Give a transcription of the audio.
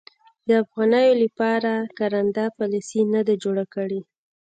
د افغانیو لپاره کارنده پالیسي نه ده جوړه شوې.